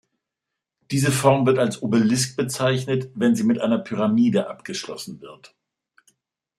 Diese Form wird als Obelisk bezeichnet, wenn sie mit einer Pyramide abgeschlossen wird.